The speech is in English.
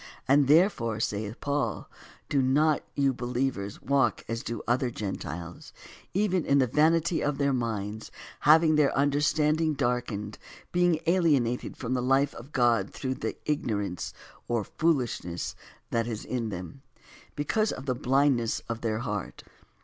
And, therefore, saith Paul, ''Do not you believers walk as do other Gentiles, even in the vanity of their minds having their under standing darkened, being alienated from the life of God through the ignorance (or foolishness) that is in them, because of the blindness of their heart.